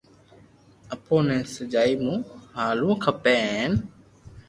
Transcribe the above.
اپو ني سچائي مون ھالووُ کپي ھين